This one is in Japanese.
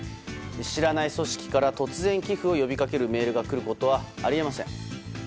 知らない組織から突然寄付を呼びかけるメールが来ることはあり得ません。